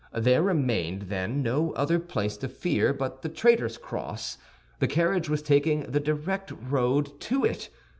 There remained, then, no other place to fear but the Traitor's Cross; the carriage was taking the direct road to it.